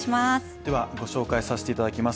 ではご紹介させていただきます。